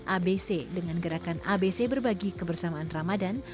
abc dengan gerakan abc berbagi kebersamaan ramadan